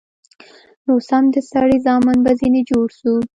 نو سم د سړي زامن به ځنې جوړ سو.